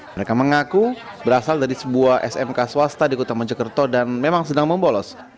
mereka mengaku berasal dari sebuah smk swasta di kota mojokerto dan memang sedang membolos